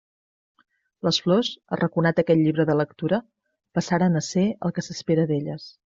Les flors, arraconat aquell llibre de lectura, passaren a ser el que s'espera d'elles.